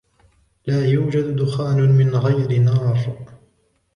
لا يوجد دخان من غير نار.